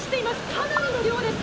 かなりの量です。